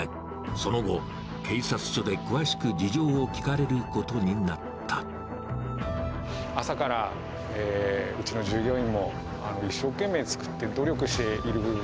その後、警察署で詳しく事情を聴朝から、うちの従業員も一生懸命作って努力している部分。